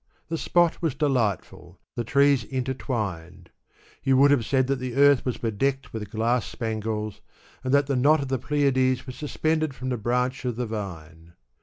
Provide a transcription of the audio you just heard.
The spot was delightful, the trees intertwined ; you would have said that the earth was bedecked with glass spangles, and that the knot of the Pleiades was suspended from the branch of the vine.